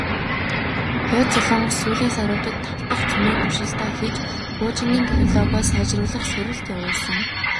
Хойд Солонгос сүүлийн саруудад тав дахь цөмийн туршилтаа хийж, пуужингийн технологио сайжруулах сорилт явуулсан.